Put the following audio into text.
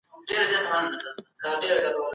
تاسي تل په نرمۍ سره چلند کوئ.